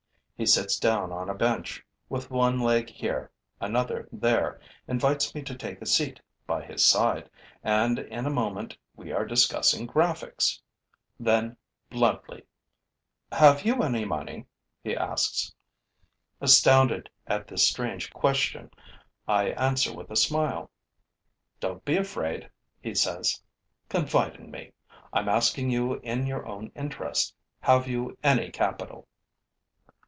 He sits down on a bench, with one leg here, another there, invites me to take a seat by his side and, in a moment, we are discussing graphics. Then, bluntly: 'Have you any money?' he asks. Astounded at this strange question, I answer with a smile. 'Don't be afraid,' he says. 'Confide in me. I'm asking you in your own interest. Have you any capital?'